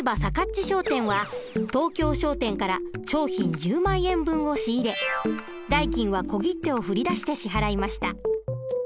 ち商店は東京商店から商品１０万円分を仕入れ代金は小切手を振り出して支払いました。